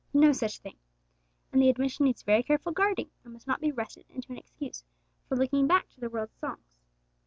No such thing! And the admission needs very careful guarding, and must not be wrested into an excuse for looking back to the world's songs.